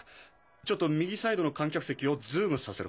ちょっと右サイドの観客席をズームさせろ。